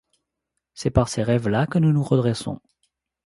C'est par ces rêves-là que nous nous redressons.